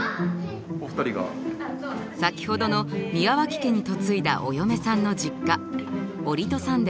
先ほどの宮脇家に嫁いだお嫁さんの実家折戸さんです。